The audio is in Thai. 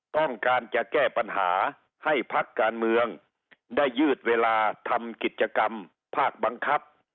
ต้องการจะแก้ปัญหาให้พักการเมืองได้ยืดเวลาทำกิจกรรมภาคบังคับ